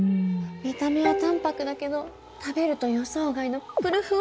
見た目は淡泊だけど食べると予想外のぷるふわ食感。